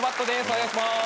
お願いします。